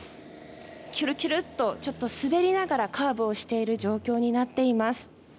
きゅるきゅるっと滑りながらカーブしている状況になっています。